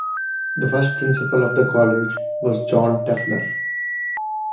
The first principal of the college was John Telfer.